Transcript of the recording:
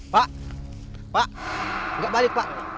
pak pak nggak balik pak